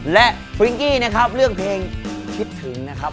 และฟริ้งกี้นะครับเลือกเพลงคิดถึงนะครับ